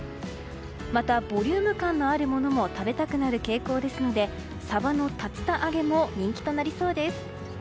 また、ボリューム感のあるものも食べたくなる傾向ですのでサバの竜田揚げも人気となりそうです。